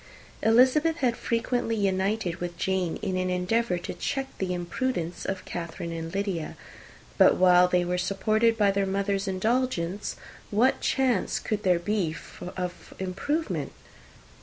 Elizabeth had frequently united with Jane in an endeavour to check the imprudence of Catherine and Lydia; but while they were supported by their mother's indulgence, what chance could there be of improvement?